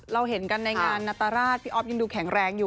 เราเห็นกันในงานนัตรราชพี่อ๊อฟยังดูแข็งแรงอยู่